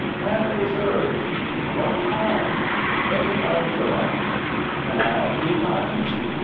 "Can of preserves." "What kind?" "Any kind you like." "Can I have two kinds?"